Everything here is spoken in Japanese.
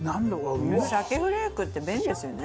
鮭フレークって便利ですよね。